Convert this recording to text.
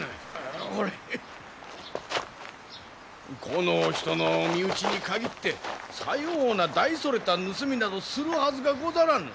このお人のお身内に限ってさような大それた盗みなどするはずがござらぬ。